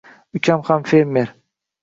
Ukam ham fermer.